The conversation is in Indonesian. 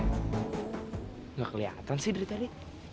tidak kelihatan sih dari tadi